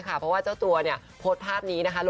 เพราะว่าเจ้าตัวเนี่ยพสไฟพ์ระบบนี้นะคะ